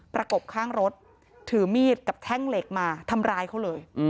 กบข้างรถถือมีดกับแท่งเหล็กมาทำร้ายเขาเลย